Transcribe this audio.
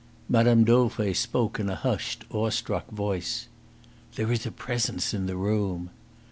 Mme. Dauvray spoke in a hushed, awestruck voice. "There is a presence in the room."